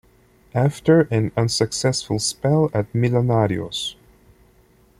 After an unsuccessful spell at Millonarios.